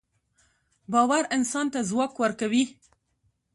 باورانسان ته ځواک ورکوي